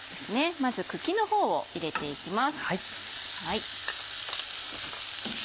まず茎の方を入れていきます。